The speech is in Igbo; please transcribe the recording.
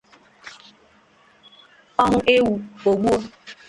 ọ hụ ewu o gbuo